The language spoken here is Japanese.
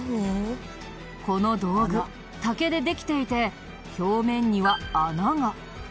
この道具竹でできていて表面には穴が。